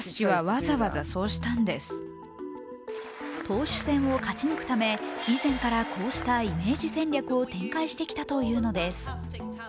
党首選を勝ち抜くため、以前からこうしたイメージ戦略を展開してきたというのです。